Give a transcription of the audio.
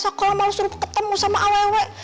sekolah malu suruh ketemu sama awewe